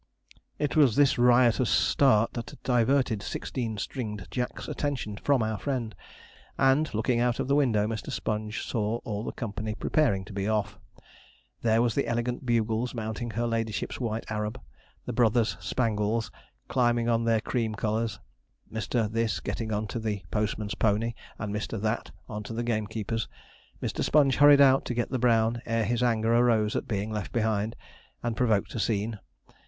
It was this riotous start that diverted Sixteen string'd Jack's attention from our friend, and, looking out of the window, Mr. Sponge saw all the company preparing to be off. There was the elegant Bugles mounting her ladyship's white Arab; the brothers Spangles climbing on to their cream colours; Mr. This getting on to the postman's pony, and Mr. That on to the gamekeeper's. Mr. Sponge hurried out to get to the brown ere his anger arose at being left behind, and provoked a scene.